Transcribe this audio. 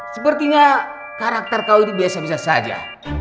sepertinya karakter kau ini biasa biasa saja